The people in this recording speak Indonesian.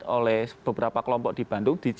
oleh beberapa kelompok di bandung di cibiru